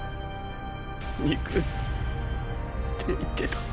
肉って言ってた。